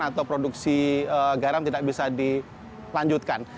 atau produksi garam tidak bisa dilanjutkan